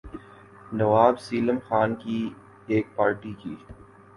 نواب سیلم خان کی ایک پارٹی کی